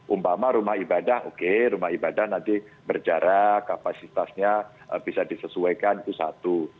umpama rumah ibadah oke rumah ibadah nanti berjarak kapasitasnya bisa disesuaikan itu satu